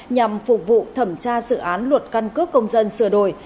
nhằm phục vụ thẩm tra dự án luật căn cước công dân sửa đổi